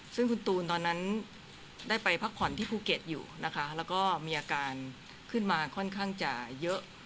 ซึ่งคุณตูนตอนนั้นได้ไปพักผ่อนที่ภูเก็ตอยู่นะคะแล้วก็มีอาการขึ้นมาค่อนข้างจะเยอะ